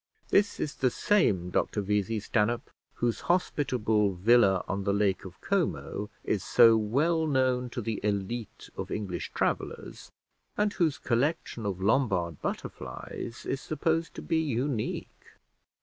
This is the same Dr Vesey Stanhope whose hospitable villa on the Lake of Como is so well known to the élite of English travellers, and whose collection of Lombard butterflies is supposed to be unique.